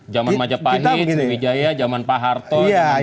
jaman majapahit jum'i jaya jaman pak harto